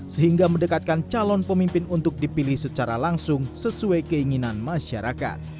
sehingga mendekatkan calon pemimpin untuk dipilih secara langsung sesuai keinginan masyarakat